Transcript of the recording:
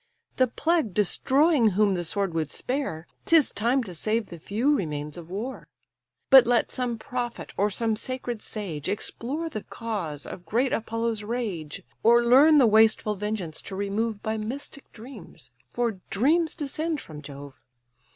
The plague destroying whom the sword would spare, 'Tis time to save the few remains of war. But let some prophet, or some sacred sage, Explore the cause of great Apollo's rage; Or learn the wasteful vengeance to remove By mystic dreams, for dreams descend from Jove.